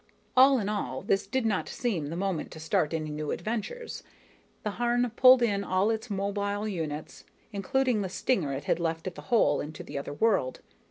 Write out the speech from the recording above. All in all, this did not seem the moment to start any new adventures. The Harn pulled in all its mobile units, including the stinger it had left at the hole into the other world.